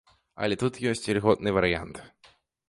Але тут ёсць ільготны варыянт.